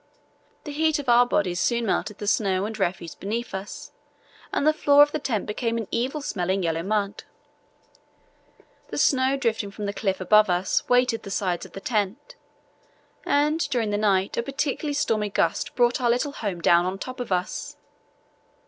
The heat of our bodies soon melted the snow and refuse beneath us and the floor of the tent became an evil smelling yellow mud. The snow drifting from the cliff above us weighted the sides of the tent, and during the night a particularly stormy gust brought our little home down on top of us.